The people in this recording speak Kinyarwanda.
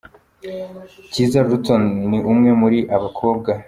Cyiza Ruton ni umwe muri aba bakobwa.